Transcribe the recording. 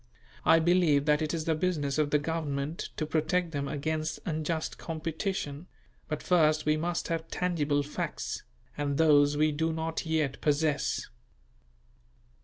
I believe that it is the business of the government to protect them against unjust competition, but first we must have tangible facts; and those we do not yet possess.